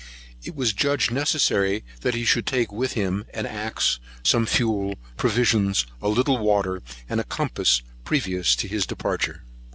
It was judged necessary that he should take with him an axe, some fuel, provisions, a little water, and a compass, previous to his departure.